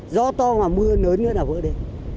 gió to mà mưa lớn nữa nào vỡ đi